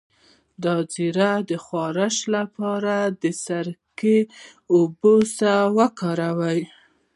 د زیړي د خارښ لپاره د سرکې اوبه وکاروئ